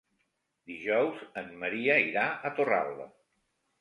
Dijous en Maria irà a Torralba.